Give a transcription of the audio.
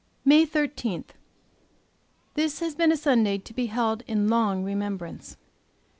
MAY 13. THIS has been a Sunday to be held in long remembrance.